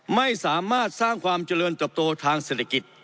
ไม่สามารถสร้างความเจริญเติบโตทางเศรษฐกิจ